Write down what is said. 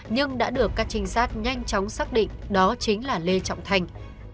nhưng đã được các trinh sát nhanh chóng xác định đó chính là lê trọng thành